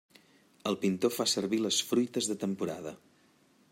El pintor fa servir les fruites de temporada.